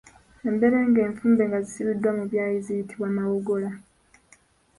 Emberenge enfumbe nga zisibiddwa mu byayi ziyitibwa mawogola.